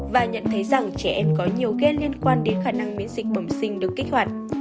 và nhận thấy rằng trẻ em có nhiều game liên quan đến khả năng miễn dịch bẩm sinh được kích hoạt